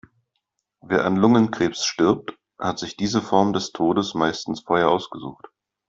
Wer an Lungenkrebs stirbt, hat sich diese Form des Todes meistens vorher ausgesucht.